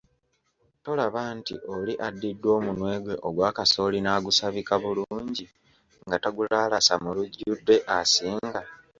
Tolaba nti oli addidde omunwe gwe ogwa kasooli n'agusabika bulungi nga tagulaalasa mu lujjudde asinga.